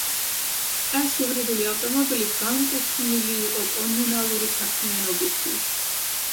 ეს ჰიბრიდული ავტომობილი განკუთვნილი იყო კომუნალური საქმიანობისთვის.